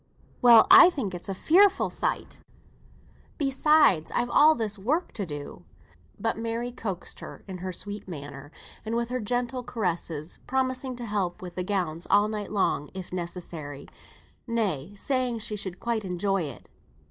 "Well, I think it's a fearful sight. Besides I've all this work to do." But Mary coaxed in her sweet manner, and with her gentle caresses, promising to help with the gowns all night long if necessary, nay, saying she should quite enjoy it.